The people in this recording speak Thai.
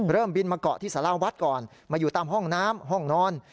บินมาเกาะที่สาราวัดก่อนมาอยู่ตามห้องน้ำห้องนอน